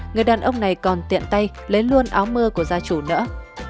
người đàn ông này còn tiện tay lấy luôn áo mưa của gia chủ nữa